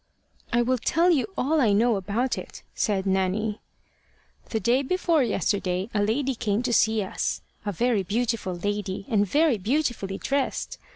"I will tell you all I know about it," said Nanny. "The day before yesterday, a lady came to see us a very beautiful lady, and very beautifully dressed.